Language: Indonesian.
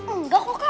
enggak kok kak